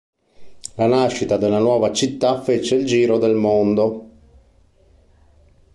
La nascita della nuova città fece il giro del mondo.